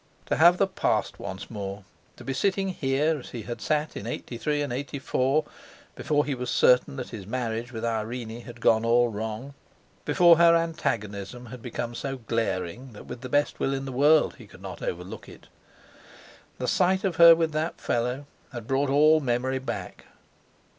To have the past once more—to be sitting here as he had sat in '83 and '84, before he was certain that his marriage with Irene had gone all wrong, before her antagonism had become so glaring that with the best will in the world he could not overlook it. The sight of her with that fellow had brought all memory back.